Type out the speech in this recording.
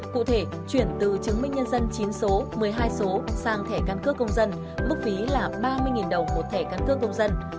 cụ thể chuyển từ chứng minh nhân dân chín số một mươi hai số sang thẻ căn cước công dân mức phí là ba mươi đồng một thẻ căn cước công dân